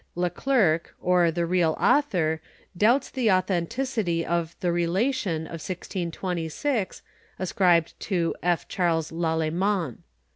Le Clercq, or the real author, doubts the authen ticity of the Relation of 1620, ascribed to F. Charles Lalemant.